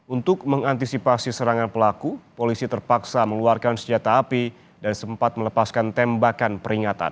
untuk mengantisipasi serangan pelaku polisi terpaksa mengeluarkan senjata api dan sempat melepaskan tembakan peringatan